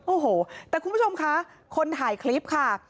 โอ้โหแต่คุณผู้ชมคะคนถ่ายคลิปค่ะ